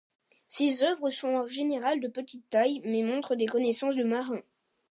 Ses œuvres sont en général de petite taille, mais montrent des connaissances de marin.